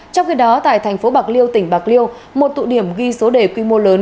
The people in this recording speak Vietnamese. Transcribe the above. trong khi đó tại thành phố bạc liêu tỉnh bạc liêu một tụ điểm ghi số đề quy mô lớn